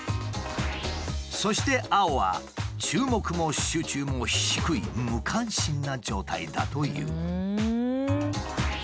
そして青は注目も集中も低い無関心な状態だという。